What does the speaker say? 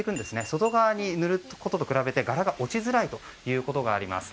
外側に塗ることと比べて柄が落ちづらいということがあります。